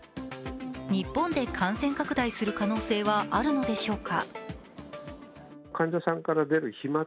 日本で感染拡大する可能性はあるのでしょうか